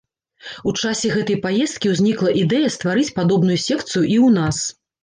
У часе гэтай паездкі ўзнікла ідэя стварыць падобную секцыю і ў нас.